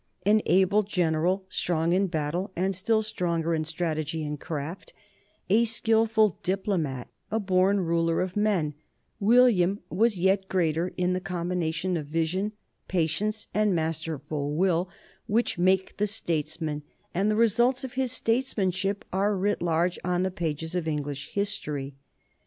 An able general, strong in battle and still stronger in strategy and craft, a skilful diplomat, a born ruler of men, William was yet greater in the combination of vision, patience, and masterful will which make the statesman, and the results of his statesmanship are writ large on the page of English history.